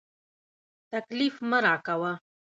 تکليف مه راکوه.